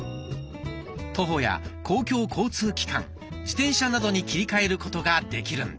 徒歩や公共交通機関自転車などに切り替えることができるんです。